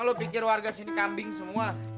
kalau pikir warga sini kambing semua